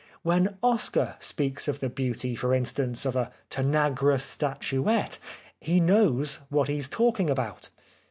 When Oscar speaks of the beauty, for instance, of a Tanagra statuette he knows what he is talking about.